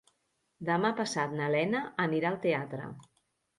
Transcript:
Demà passat na Lena anirà al teatre.